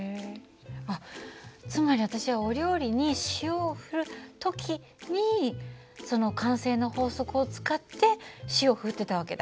あっつまり私はお料理に塩を振る時にその慣性の法則を使って塩を振ってた訳だ。